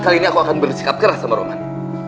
kali ini aku akan bersikap keras sama roman